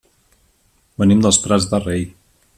Venim dels Prats de Rei.